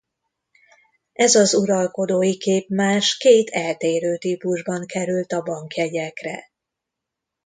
Ez az uralkodói képmás két eltérő típusban került a bankjegyekre.